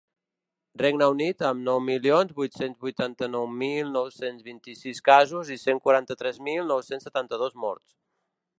Regne Unit, amb nou milions vuit-cents vuitanta-nou mil nou-cents vint-i-sis casos i cent quaranta-tres mil nou-cents setanta-dos morts.